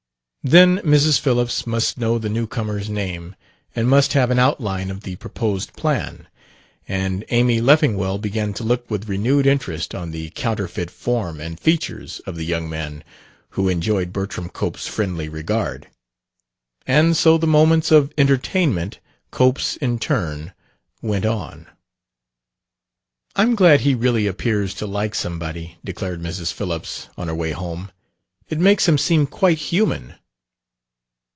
Then Mrs. Phillips must know the new comer's name, and must have an outline of the proposed plan. And Amy Leffingwell began to look with renewed interest on the counterfeit form and features of the young man who enjoyed Bertram Cope's friendly regard. And so the moments of "entertainment" Cope's in turn went on. "I'm glad he really appears to like somebody," declared Mrs. Phillips, on the way home; "it makes him seem quite human."